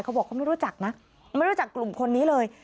เขาบอกเขาไม่รู้จักนะไม่รู้จักกลุ่มคนนี้เลย